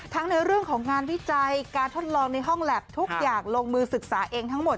ในเรื่องของงานวิจัยการทดลองในห้องแล็บทุกอย่างลงมือศึกษาเองทั้งหมด